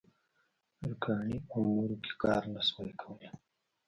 ترکاڼۍ او نورو کې کار نه شوای کولای.